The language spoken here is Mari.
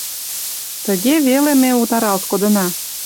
Тыге веле ме утаралт кодына.